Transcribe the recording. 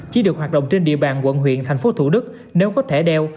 chỉ được hoạt động trên địa bàn quận huyện thành phố thủ đức nếu có thể đeo